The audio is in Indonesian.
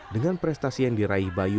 dengan prestasi yang diraih bayu